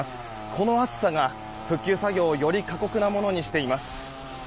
この暑さが復旧作業をより過酷なものにしています。